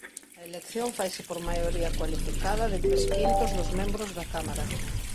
A elección faise por maioría cualificada de tres quintos dos membros da Cámara.